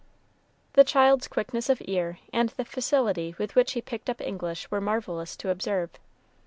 The child's quickness of ear and the facility with which he picked up English were marvelous to observe.